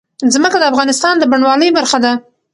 ځمکه د افغانستان د بڼوالۍ برخه ده.